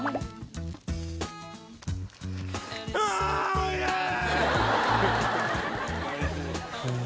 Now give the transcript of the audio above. おいしい！